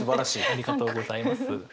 ありがとうございます。